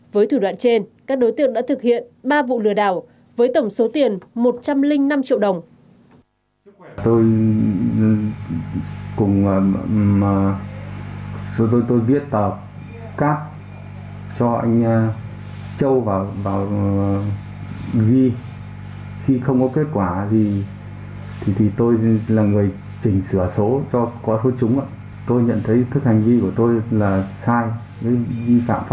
với thủ đoạn trên các đối tượng đã thực hiện ba vụ lừa đảo với tổng số tiền một trăm linh năm triệu đồng